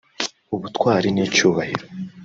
ubutwari n’icyubahiro